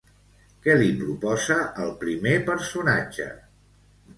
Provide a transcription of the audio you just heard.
Què li proposa el primer personatge?